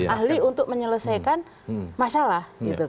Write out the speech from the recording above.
ahli untuk menyelesaikan masalah